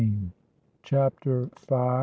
CHAPTER V.